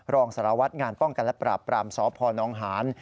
รองสารวัตรงานป้องกันและปราบปรามสพนหาน